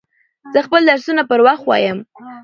زه خپل درسونه پر وخت وایم.